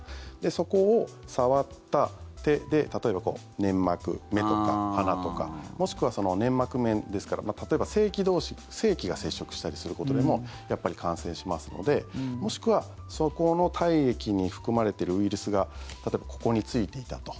そこを触った手で例えば、粘膜目とか鼻とかもしくは粘膜面ですから、例えば性器同士性器が接触したりすることでもやっぱり感染しますのでもしくは、そこの体液に含まれているウイルスが例えばここについていたと。